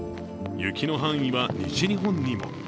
雪の範囲は、西日本にも。